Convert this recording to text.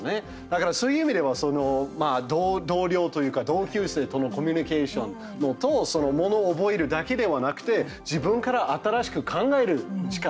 だからそういう意味では同僚というか同級生とのコミュニケーションとものを覚えるだけではなくて自分から新しく考える力。